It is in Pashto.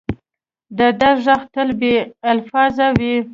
د درد ږغ تل بې الفاظه وي.